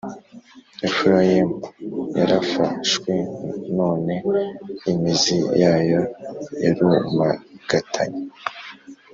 Efurayimu yarafashwe none imizi yayo yarumagatanye,